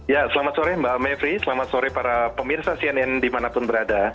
ya selamat sore mbak mevri selamat sore para pemirsa cnn dimanapun berada